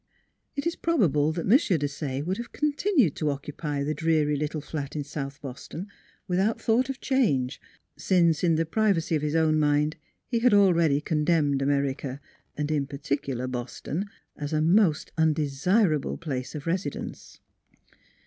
It is probable that M. Desaye would have con tinued to occupy the dreary little flat in South Boston without thought of change, since in the privacy of his own mind he had already con demned America and in particular Boston as a most undesirable place of residence.